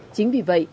chính vì vậy